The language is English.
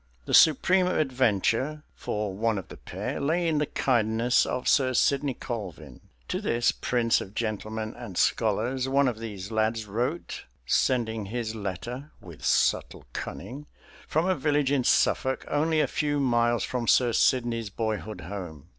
The supreme adventure, for one of the pair, lay in the kindness of Sir Sidney Colvin. To this prince of gentlemen and scholars one of these lads wrote, sending his letter (with subtle cunning) from a village in Suffolk only a few miles from Sir Sidney's boyhood home.